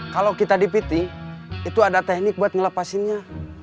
kalau kita dipiting itu ada teknik buat ngelepasinnya